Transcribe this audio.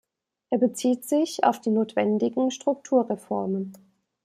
Er bezieht sich auf die notwendigen Strukturreformen.